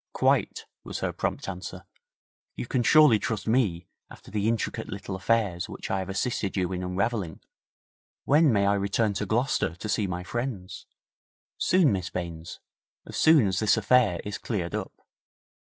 'Quite,' was her prompt answer. 'You can surely trust me after the intricate little affairs which I have assisted you in unravelling? When may I return to Gloucester to see my friends?' 'Soon, Miss Baines as soon as this affair is cleared up.